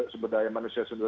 sumber daya manusia sumber